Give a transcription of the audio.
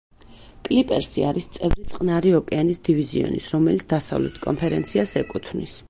კლიპერსი არის წევრი წყნარი ოკეანის დივიზიონის, რომელიც დასავლეთ კონფერენციას ეკუთვნის.